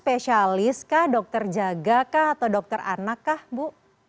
spesialis kah dokter jaga kah atau dokter anak kah bu